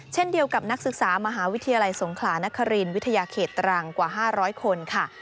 เช่นเดียวกับนักศึกษามหาวิทยาลัยสงขลานครินวิทยาเขตตรังกว่า๕๐๐คนค่ะ